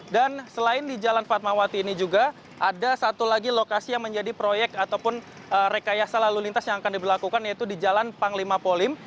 dan selain di jalan fatmawati ini juga ada satu lagi lokasi yang menjadi proyek ataupun rekayasa lalu lintas yang akan diberlakukan yaitu di jalan panglima polim